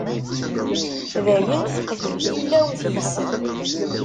Dayen teqbel tillawt-is.